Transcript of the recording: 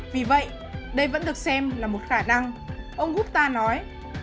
vì vậy đây vẫn được xem là một khả năng ông gutta nói